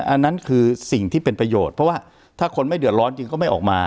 อันนั้นคือสิ่งที่เป็นประโยชน์เพราะว่าถ้าคนไม่เดือดร้อนจริงก็ไม่ออกมา